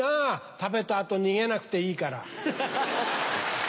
食べた後逃げなくていいから。